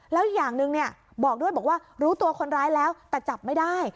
แล้วอย่างหนึ่งบอกด้วยบอกว่ารู้ตัวคนร้ายแล้วแต่จับไม่ได้